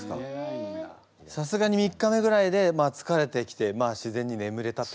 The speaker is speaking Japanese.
さすがに３日目ぐらいでつかれてきて自然にねむれたと。